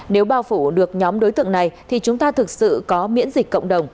nếu bao phủ được nhóm đối tượng này thì chúng ta thực sự có miễn dịch cộng đồng